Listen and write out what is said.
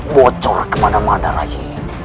bocor kemana mana rai